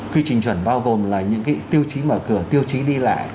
quy trình chuẩn bao gồm là những cái tiêu chí mở cửa tiêu chí đi lại